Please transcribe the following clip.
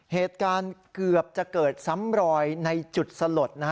เหตุการณ์เกือบจะเกิดซ้ำรอยในจุดสลด